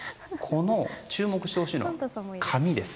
注目してほしいのは紙です。